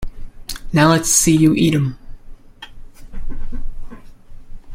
Now let's see you eat 'em.